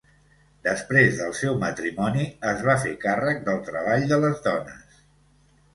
Després del seu matrimoni es va fer càrrec del treball de les dones.